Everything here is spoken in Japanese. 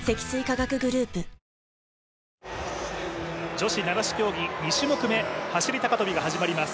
女子七種競技、２種目目走高跳が始まります。